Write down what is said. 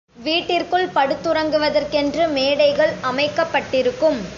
வீட்டிற்குள் படுத்துறங்குவதற்கென்று மேடைகள் அமைக்கப்பட்டிருக்கும்.